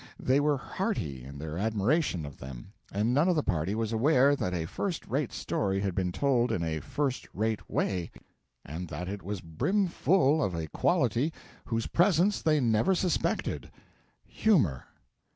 They were hearty in their admiration of them, and none of the party was aware that a first rate story had been told in a first rate way, and that it was brimful of a quality whose presence they never suspected humour.